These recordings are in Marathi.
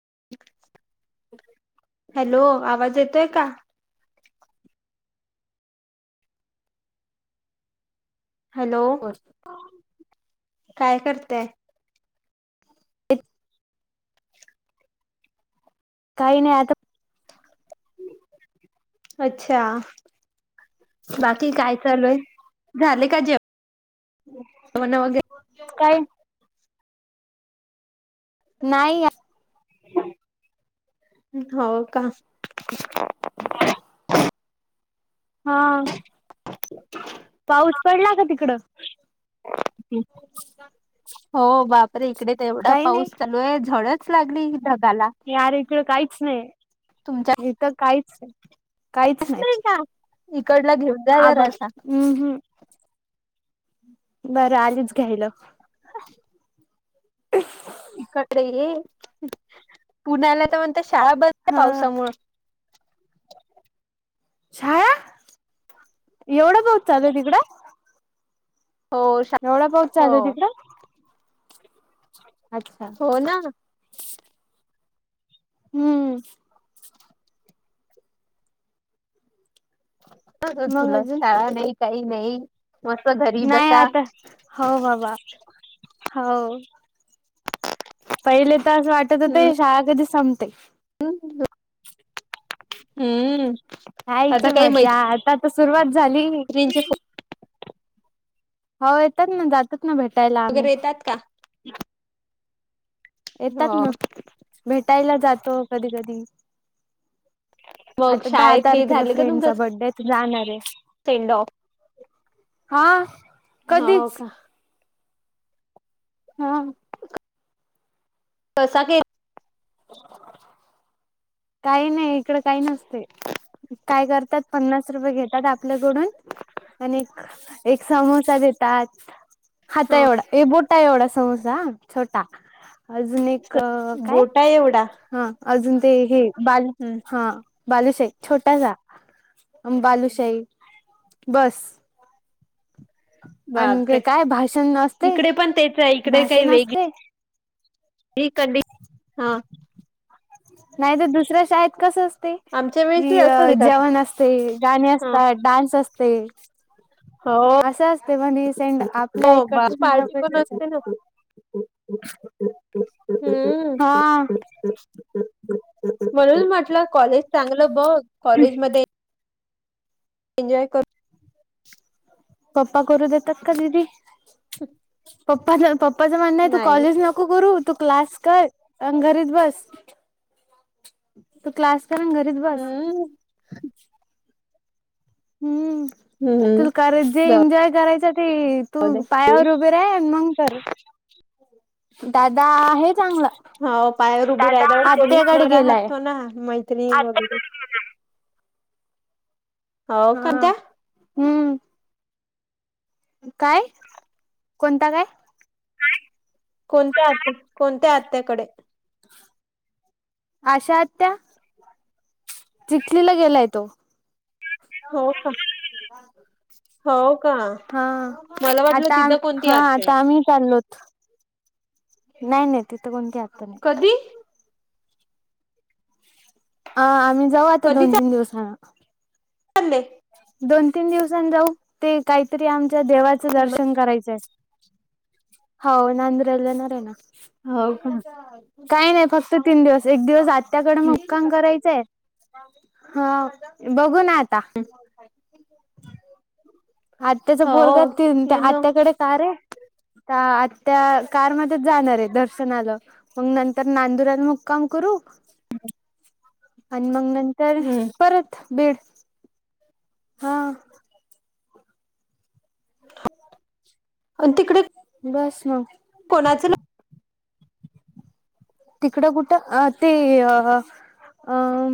[inaudible] [inaudible] हॅलो आवाज येतोय का हॅलो ब काय करतय अ काही नाही आता अच्छा बाकी काय चालूय झाले का जेवण वगैरे काय नाही हो का हा पाऊस पडला का तिकडं हो हो बापरे इकडे ते एवढा पाऊस चालू आहे झडच लागली ढगाला यार इकडं काहीच तुमच्या नाही इथं काहीच नाही काहीच च नाही का इकडला घेऊन जा आबा जरा असा हम्म हम्म बरं आलीच घ्यायला इकडे पुण्याला तर म्हणत शाळा बंद आहे हा पावसामुळे शाळा एवढं पाऊस चालू आहे तिकडं हो शा एवढा पाऊस हो चालूय तिकड. हो ना. हम्म. [unintelligible] मग तुला अजून शाळा नाही काही नाही? मस्त घरी नाही बसा आता, हो बाबा, हो. पहिले तर असं वाटत होता हम्म शाळा कधी संपते. हम्म. खायच आता काही मज्जा आता तर सुरुवात झाली. मैत्रिणींचे फोन हो येतात ना जातच ना भेटायला आम्ही. वगैरे येतात का येतात हो ना, भेटायला जातो कधी कधी. मग आता दहा शाळेत तारखेला फ्रेंडचा बडे तर जाणार आहे. सेंडॉ हा हो कधीच का हा कसा गे [unintelligible] काही नाही इकड काही नसतय. काय करतात, पन्नास रुपये घेतात आपल्याकडून. आणि एक समोसा देतात. हात हा एवढा ये बोटा एवढा समोसा आ छोटा, अजून एक क काय? बोटा एवढा हा अजून ते हे बाल, हं, हा. बालुशाही छोटासा, बालुशाही, बस. आणि ते बापरे काय भाषण असतय, इकडे पण तेच भाषण असतय. [unintelligible] कधी, हा. नाही ते दुसऱ्या शाळेत कसं ते, आमच्या वेळेस कि ही असं देतात जेवण असते, गाणे हा असतात, डान्स असते. हो असं असते म्हण सेड आपल्या हो बा इकडचे सेंड पार्टी पण ऑफ असते ना [unintelligible] हम्म हा. म्हणून म्हटलं कॉलेज चांगलं बघ, कॉलेज मध्ये एनजॉय करू. पप्पा करू देतात का दिदी? [unintelligible] पप्पा पप्पाचं म्हणं आहे तू नाही कालच नको करू, तू क्लास कर, अन घरीच बस, तू क्लास कर आणि घरीच बस. हम्म हम्म. हम्म, तू हम्म. कर जे जाऊ एन्जॉय करायच ते दे तू पायावर उभे रा मंग कर. दादा आहे चांगला हो पायावर उभ राहा [unintelligible] आत्याकडे नाही राहत गेलाय तो ना म्हण [unintelligible] हा, हम्म. काय? कोणता काय? काय, कोणत्या आत्या, कोणत्या आत्याकडे? आशा आत्या. चिखलीला गेलाय तो. हो का हो का हा, मला वाटलं आता तिथं कोणती हा आत्या आहे आता आम्ही चाललोत, नाही नाही तिथं कोणती आत्या नाही. कधी आ आम्ही जाऊ आता दोन तीन दिवसांना. ले दोन तीन दिवसां जाऊ ते काहीतरी आमच्या देवाचं दर्शन करायचं आहे. हो नंद्रला न रे ना. हो का काही नाही फक्त तीन दिवस एक दिवस आत्याकडे मुक्काम करायच हा बघू ना आता आत्याचा हो पोरगाततील त्या ये ना आत्याकडे का रे. आ त्या कारमध्येध्ये जाणार आहे दर्शनाला मग नंतर नांदुरला मगकाम करू आणि मग नंतर हम्म परत बीड हा. आणि तिकडे बस मग कोणाचं ना तिकडं कुठं अ ते अ. अं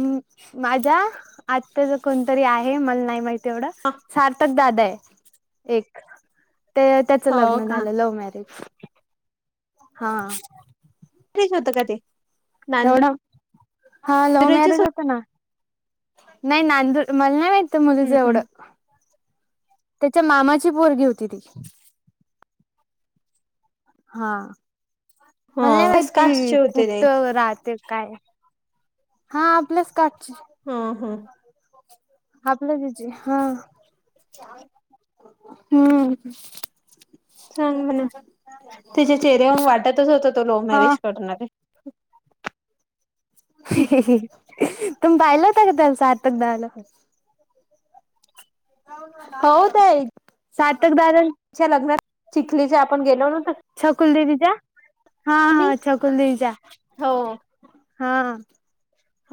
माझ्या आत्ता ज कोणतरी आहे मला नाही माहिती. तेवढा सार्थक दादा आहे एक. ते त्याचं हो लग्न का झालं लव्ह मॅरेज, हा. [unintelligible] होता का ते. एवढ, हा लव नांदुरेचेच मॅरेज होते होत ना. नाही नांदू मला नाही माहितत मुज जेवढं त्याच्या मामाची पोरगी होती ती हा मला नाही कस माहितरी कास्टचे होते ते कुठ राहते काय. हा प्लस काढची हा हा आपलं बीजी हा हम्म. चांग म्हणे तिच्या चेहऱ्याहून वाटतच होता तो लव्ह हा. मॅरेज करणारे ह. तुमयल तागतल सारतक दला हो ताई क दादा च्या लग्नात चिखलीच्या आपण गेलो नव्हतो कुल देवीच्या हा का? मी हा छकुल दचा हो हा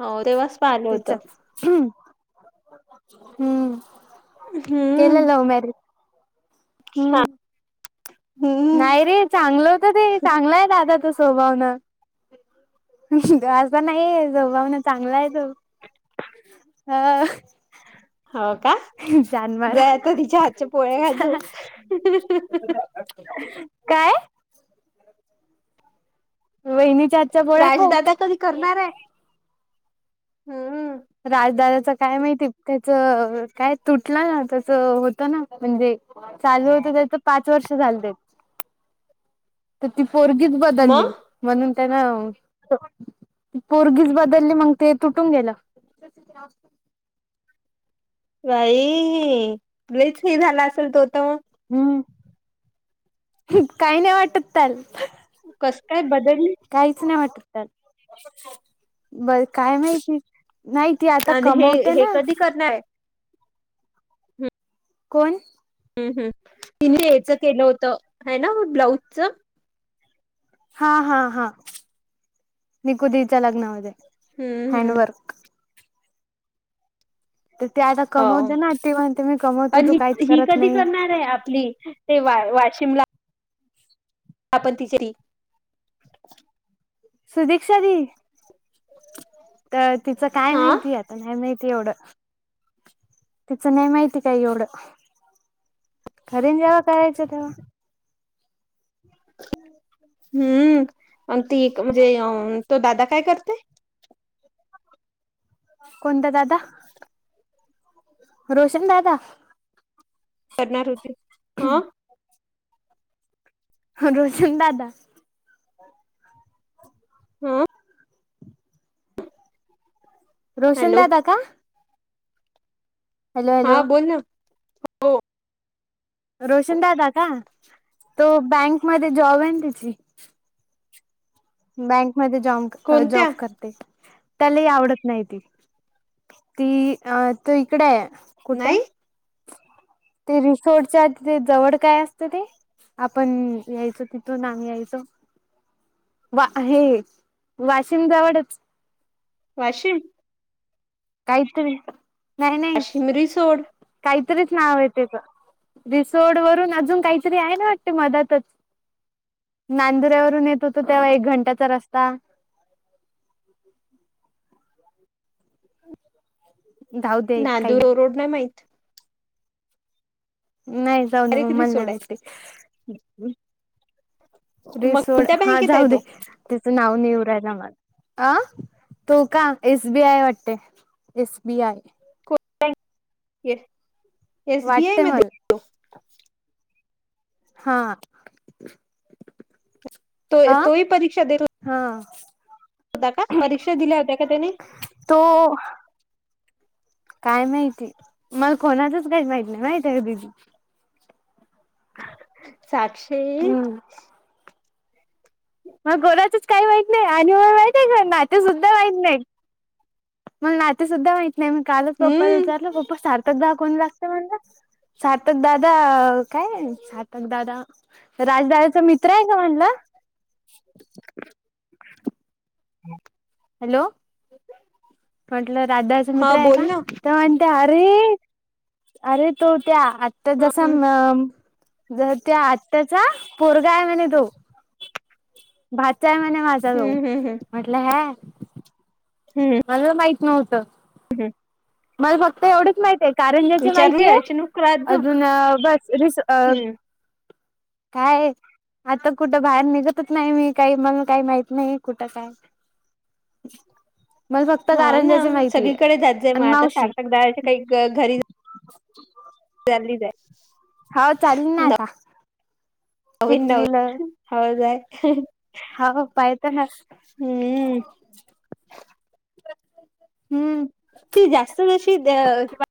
हो दे वास्त तेच्याच हम्म. केलेला उ मर अच् हा. नाही रे चांगलं होतं ते चांगलाय दादा त स्वभावनं तो असा नाहीये जोगवण चांगला आहे तो हा. हो का जाय आता तिच्या हातच्या पोळ्या घाजू काय वहिनी चारचापोळाखव. राजदादा कधी करणार आहे हम्म राजदादाच काय माहिती त्याच काय तुटलं ना जेतच होतं ना म्हणजे. चालू होत त्या तर पाच वर्ष झालत तर ति. पोर्गीज बदलली मग म्हणून त्यां ना. पोर्गीज बदलले मग ते तुटून गेलं. असत. बाई तुच हे झालं असेल तो तर मग हम्म काही नाही वाटत ल काय ब. काहीच नाही वाटत तर बर काय माहिती. नाही त आता आणि हे कमवते हे ना. कधी करणार आहे कोण हम् हम् तिने याच केलं होतं ह ना म ब्लाऊजच. हा हा हा निकुदीच्या लग्नामध्ये हम्म हम्म. हँडवर्क तर ते आता हो कमवते ना ती म्हणते मी कमवतो तू आणि काहीच ही करत कधी नाही करणार आहे आपली ते वा. वाशिमला. आपण तिचरी. सुधिकक्षा दि. तर तिचं काय हा माहिती आता नाही माहिती. एवढं तिचं ने माहिती काय एवढं. कररीन जेव करायच तेव्हा. हम्. हम्म ती म्हणजे तो दादा काय करत. कोणता दादा. [inaudible] रोशन दादा. करणार होती हा. रोशन दादा. हमम. हो. रोशन दादा का. हॅलो हा हॅलो बोल ना हो. रोशन दादा का तो बँकमध्येध्ये जॉब आहे ना तिची. बँकमध्ये जॉ जॉब कोणत्या करते. त्यालाही आवडत नाही ती ती अ त इकडे. कुठ नाही ते रिसोर्टच्या तिथे जवळ काय असत ते. आपण यायचो तिथून नाम यायचो. वा हे वाशिमजवळच. वाशिम. काहीच तरी. अशिमरी सोड. काहीतरीच नाव आहे ते तर. रिसोड वरून अजून काहीतरी आहे ना वाटते मदातच. नांदुऱ्यावरून येत होतो तेव्हा एक घंट्याचा रस्ता. [unintelligible] जाऊ दे नादू काही रो रोड नाही माहत. नाही जाऊ ना मग डायरेक्ट मलाला रिसोड आहे माहिती. मग रिसोड कोणत्या हा बँकेत आहे जाऊ दे तो त्याचं नाव नेवराज. अ तू का एसबीआय वाटते एसबीआय. एसबीआय वाटते मला मध्ये. हा. तो आह तोही परीक्षा देत हा. होता का परीक्षा दिल्या होत्या का त्याने. तो काय माहितीय मला कोणातच काही माहिती नाही माहिती आहे का दिदी. साक्षी. हम्म मग गोराचच काही वाईत नाही आणि व वाई आहे घर ना ते सुद्धा वाईत नाही. मग नाते सुुद्धा माहित नाही मग कालच पप्पाला हम्म विचारलं पप्पा सारखं. सातकदाहा कोण लागत म्हणला सातकदाादा काय सातकदाादा. राजदारचा मित्र आहे का म्हणला. हम. हॅलो म्हटलं राधाचा हा मित्र आहे बोल का ना तर म्हणते अरे. अरे तो त्या आता जसा हम्म हम्म अ. जर त्या आत््याचा पोरगा आहे म्ह तो भ. चं म्हणे माझा ह्यो हम्म हम्म म्हटलं ह्यां हम्म मला माहित नव्हतं [inaudible] मल फक्त एवढेच माहित हाय कारंज्याची विचारली माहितीये अशनू राजू अजून अह बस रीस अह हम्म काय हे आता कुठं बाहेर निघतच नाही मी काही मला काही माहीत नही कुठं काय मल फक्त कारंज्याची माहिती आहे. म आता सार्थक दादा चे काही गं घरी [inaudible] चलली जाय हा चालीन ना आता होईन ना चिखलीला होईन हळु जाय हाव पायता ना हम्म हम्म. ती जास्त नशी अह [unintelligible]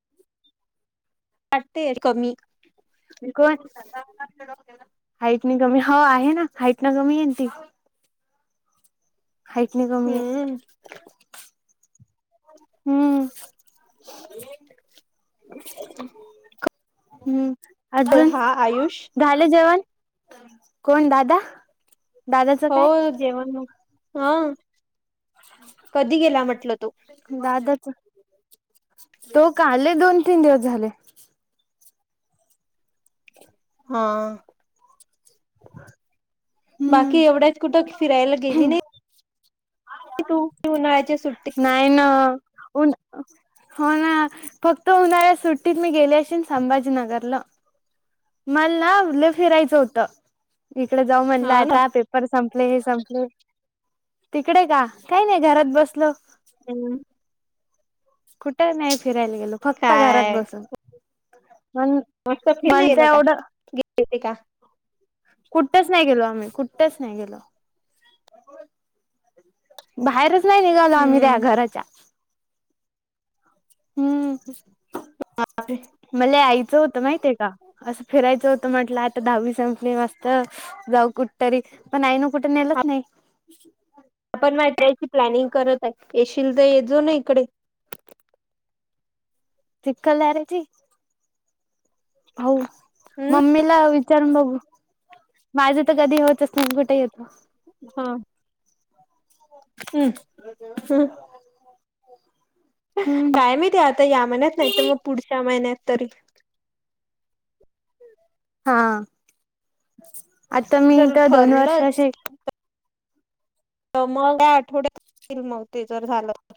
वाटते हे कमी [unintelligible] हाईट नाही कमी हो आहे ना हाईट ना कमी ये ती हाईट न कमी आहे हम्म. हम्म. हम्म अर्जून हा आयुष झालं जेवण? कोण दादा? दादाचं हो काय जेवण मग हा कधी गेला म्हटलं तो तो काले दोन तीन दिवस झाले हा. बाकी हम्म. एवढ्याच कुठं फिरायला गेली नाही? तू उन्हाळ्याच्या सुट्टी हो ना हो ना, फक्त उन्हाळ्यात सुट्टीत मी गेले अशीन संभाजीनगरला. मलना लयी फिरायचं होतं. इकडे जाऊ म्हटलं, हो ना आता पेपर संपले की संपले. तिकडे का, काही नाही घरात बसलो. हम्म कुठे नाही, फिरायला गेलो फक्त घरात बसून पण व्हाट्सअप मला तर [unintelligible] गेले ते का? कुठंस नाही गेलो, आम्ही कुठंस नाही गेलो. बाहेरच नाही निघालो आम्ही त्या हम्म घराच्या, हं मले यायचं होतं माहितीये का, असं फिरायचं हो म्हटलं आता दहावी संपली मस्त, जाऊ कुठं तरी पण आईन कुठं नेलंच नाही. [unintelligible] आपण मा याची प्लॅनिंग करत आहे येशील तर येजो ना इकडे. [unintelligible] हो, हम्म म्मीला विचारुण बघू. माझं तर कधी होतच नाही मी कुठे येतो. हा. हम्म हम्म [unintelligible] हम्म काय मी ते आता या महिन्यात नाही तर मग पुढच्या महिन्यात तर. हा, आता मी जर तर दोन ठरलंच वर्षाची मग काय आठवड्यात येईल म ते जर झालं.